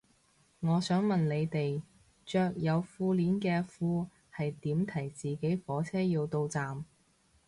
我想問你哋着有褲鏈嘅褲係點提自己火車要到站